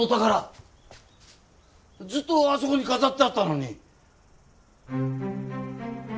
ずっとあそこに飾ってあったのに。